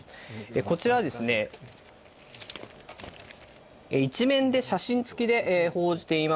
こちら、１面で写真付きで報じています。